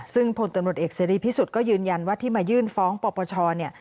ซึ่งพลตำรวจเอกเสรีพิสุทธิ์ก็ยืนยันว่าที่มายื่นฟ้องปปชเนี่ย